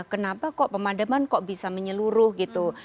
kenapa kok pemadaman kok bisa menyeluruh gitu